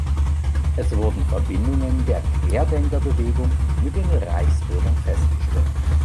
Es wurden Verbindungen der "Querdenker-Bewegung" mit den "Reichsbürgern" festgestellt!